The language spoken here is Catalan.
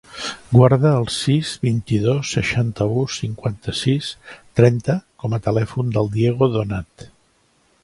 Guarda el sis, vint-i-dos, seixanta-u, cinquanta-sis, trenta com a telèfon del Diego Donat.